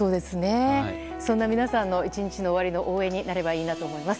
そんな皆さんの１日の終わりの応援になればいいなと思います。